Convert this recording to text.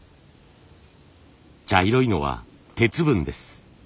茶色いのは鉄分です。